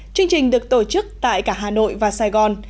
chương trình được tổ chức tại cả hà nội và sài gòn